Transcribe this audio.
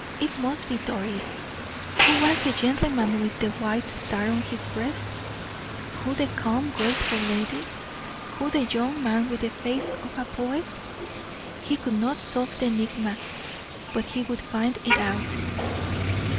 It must be Doris. Who was the gentleman with the white star on his breast? Who the calm, graceful lady? Who the young man with the face of a poet? He could not solve the enigma, but he would find it out.